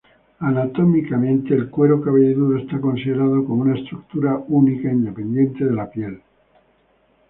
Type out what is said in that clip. Anatómicamente, el cuero cabelludo está considerado como una estructura única, independiente de la piel.